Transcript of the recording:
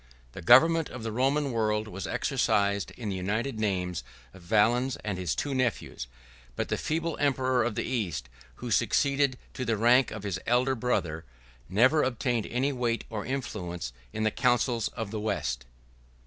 The government of the Roman world was exercised in the united names of Valens and his two nephews; but the feeble emperor of the East, who succeeded to the rank of his elder brother, never obtained any weight or influence in the councils of the West.